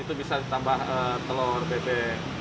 itu bisa ditambah telur bebek